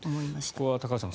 そこは高橋さん